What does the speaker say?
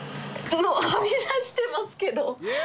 はみ出してますけど。